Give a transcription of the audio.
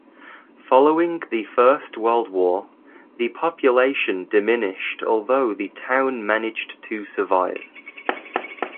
Following the First World War, the population diminished although the town managed to survive.